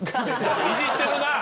いじってるな！